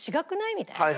みたいな。